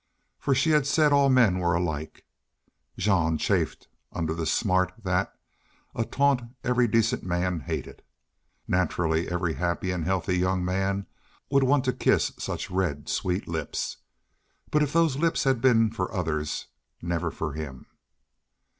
For she had said all men were alike. Jean chafed under the smart of that, a taunt every decent man hated. Naturally every happy and healthy young man would want to kiss such red, sweet lips. But if those lips had been for others never for him!